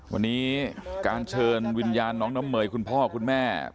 วันนี้การเชิญวิญญาณน้องน้ำเมยคุณพ่อคุณแม่